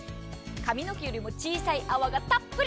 髪の毛よりも小さい泡がたっぷり。